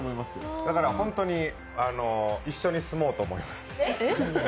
だから本当に一緒に住もうと思います。